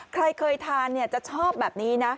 ใครเคยทานจะชอบแบบนี้นะ